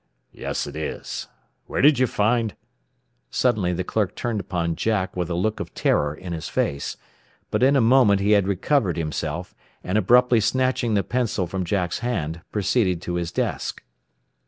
"Yes, it is. Where did you find " Suddenly the clerk turned upon Jack with a look of terror in his face. But in a moment he had recovered himself, and abruptly snatching the pencil from Jack's hand, proceeded to his desk.